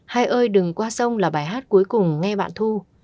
hai ơi đừng qua sông là bài hát cuối cùng nghe bản thu